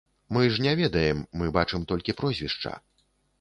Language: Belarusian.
Мы ж не ведаем, мы бачым толькі прозвішча.